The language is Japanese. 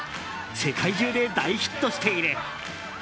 世界中で大ヒットしている。